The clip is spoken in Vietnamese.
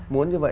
muốn như vậy